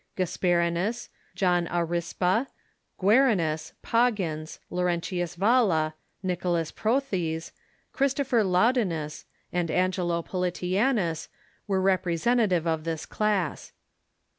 Gasperinus, John Aurispa, Guarinus, Poggius, Laurentius Valla, Nicholas Perothes, Christopher Laudinus, and Angelo Politianus were representatives of this class.